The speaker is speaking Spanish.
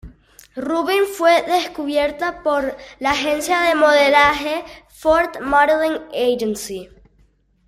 Rubin fue descubierta por la agencia de modelaje "Ford Modeling Agency".